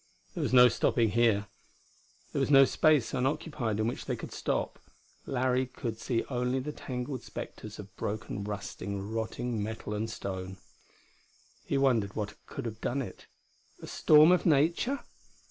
There was no stopping here; there was no space unoccupied in which they could stop. Larry could see only the tangled spectres of broken, rusting, rotting metal and stone. He wondered what could have done it. A storm of nature?